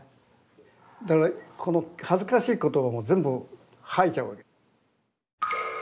だからこの恥ずかしい言葉も全部吐いちゃうわけ。